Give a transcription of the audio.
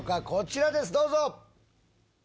こちらですどうぞ。